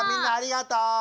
ありがとう！